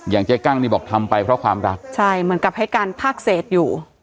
เจ๊กั้งนี่บอกทำไปเพราะความรักใช่เหมือนกับให้การภาคเศษอยู่